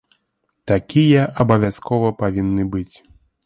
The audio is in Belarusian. Такія абавязкова павінны быць.